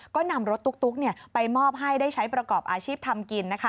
ก็นำรถตุ๊กไปมอบให้ได้ใช้ประกอบอาชีพทำกินนะคะ